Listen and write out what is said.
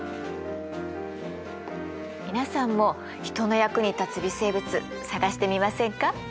皆さんも人の役に立つ微生物探してみませんか？